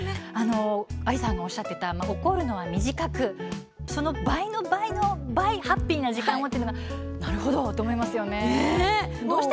ＡＩさんがおっしゃっていた怒るのは短くその倍の倍の倍ハッピーな時間をというのはなるほどと思いました。